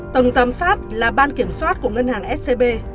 tổng giám sát là ban kiểm soát của ngân hàng scb